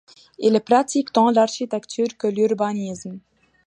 Il pratique tant l’architecture que l’urbanisme.